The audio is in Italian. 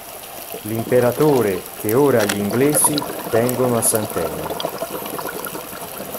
L'Imperatore che ora gl'inglesi tengono a Sant'Elena.